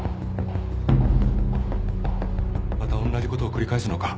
また同じことを繰り返すのか？